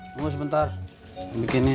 tunggu sebentar bikinin